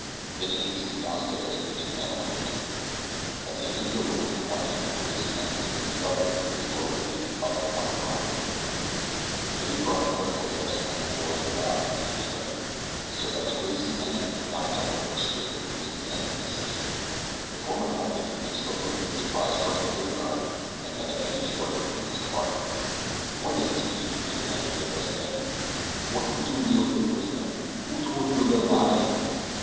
Then he hastened downstairs to the two men awaiting him. As he entered the room from one end Grayson entered it from the other through the doorway leading out upon the veranda. Billy Byrne had heard footsteps upon the boards without and he was ready, so that as Grayson entered he found himself looking straight at the business end of a sixshooter. The foreman halted, and stood looking in surprise first at Billy Byrne, and then at Eddie Shorter and Mr. Harding. "What does this mean?" he demanded, addressing Eddie. "What you doin' here with your prisoner? Who told you to let him out, eh?"